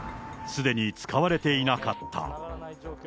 すでに使われていなかった。